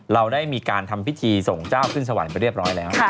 เราได้มีการทำพิธีส่งเจ้าขึ้นสวรรค์ไปเรียบร้อยแล้ว